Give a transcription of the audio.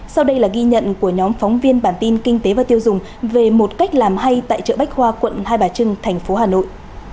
sau đây là ghi nhận của nhóm phóng viên bản tin kinh tế và tiêu dùng về một cách làm hay tại chợ bách khoa quận hai bà trưng thành phố hà nội